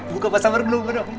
buka puasa bareng dulu